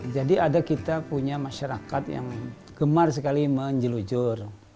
jadi ada kita punya masyarakat yang gemar sekali menjelujur